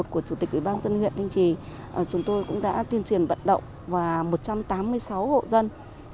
của chủ tịch ủy ban dân huyện thanh trì chúng tôi cũng đã tuyên truyền vận động và một trăm tám mươi sáu hộ dân